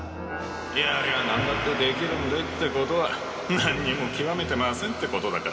やりゃ何だってできるんだいってことは何にも極めてませんってことだからな